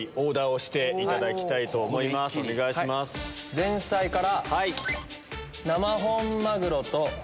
前菜から。